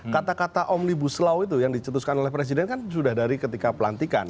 kata kata omnibus law itu yang dicetuskan oleh presiden kan sudah dari ketika pelantikan